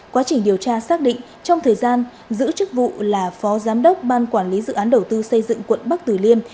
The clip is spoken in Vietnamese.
quá trình điều tra xác định trong thời gian giữ chức vụ là phó giám đốc ban quản lý dự án đầu tư xây dựng quận bắc tử liêm